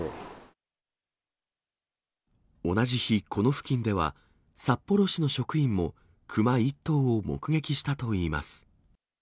同じ日、この付近では、札幌市の職員もクマ１頭を目撃したといいます。